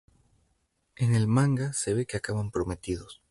En el manga se ve que acaban prometidos.